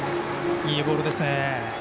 いいボールですね。